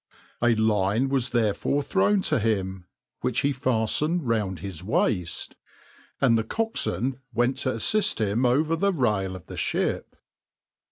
A line was therefore thrown to him which he fastened round his waist, and the coxswain went to assist him over the rail of the ship.